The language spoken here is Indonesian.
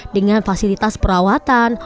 dengan fasilitas perawatan